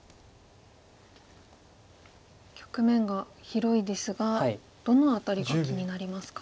局面が広いですがどの辺りが気になりますか？